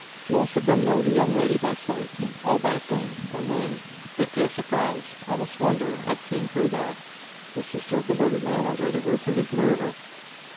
Most of them know the young lady by sight all by fame, or name. They feel surprise almost wonder at seeing her there. The sister of the murdered man under the roof of his murderer!